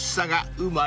うまい。